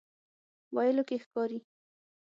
ویلو کې ښکاري.